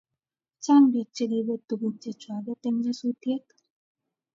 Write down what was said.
Chang pik chekibet tuguk chechawanget en nyasutiet